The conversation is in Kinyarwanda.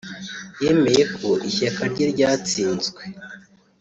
yemeye ko ishyaka rye ryatsinzwe